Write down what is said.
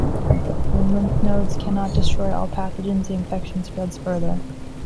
When lymph nodes cannot destroy all pathogens, the infection spreads further.